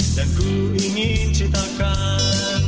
dan ku ingin cintakan